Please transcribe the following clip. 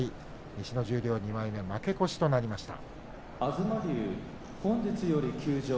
西の十両２枚目で負け越しとなりました。